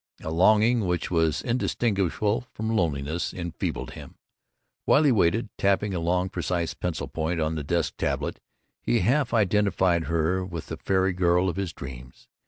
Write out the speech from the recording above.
A longing which was indistinguishable from loneliness enfeebled him. While she waited, tapping a long, precise pencil point on the desk tablet, he half identified her with the fairy girl of his dreams.